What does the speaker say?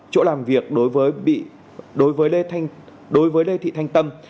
chỗ làm việc đối với lê thị thanh tâm